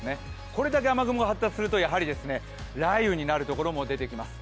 これだけ雨雲が発達するとやはり雷雨になるところも出てきます。